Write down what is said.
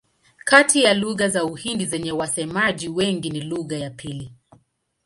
Kati ya lugha za Uhindi zenye wasemaji wengi ni lugha ya pili.